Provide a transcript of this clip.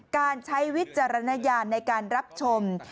การใช้วิจารณญาณในการรับชม